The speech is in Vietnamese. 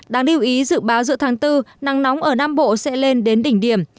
đáng lưu ý dự báo giữa tháng bốn nắng nóng ở nam bộ sẽ lên đến đỉnh điểm